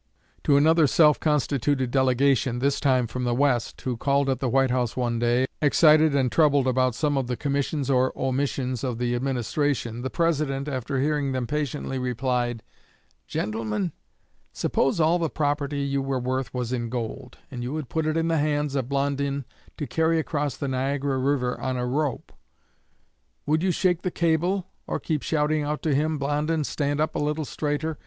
'" To another self constituted delegation this time from the West who called at the White House one day, excited and troubled about some of the commissions or omissions of the administration, the President, after hearing them patiently, replied: "Gentlemen, suppose all the property you were worth was in gold, and you had put it in the hands of Blondin to carry across the Niagara river on a rope; would you shake the cable, or keep shouting out to him, 'Blondin, stand up a little straighter!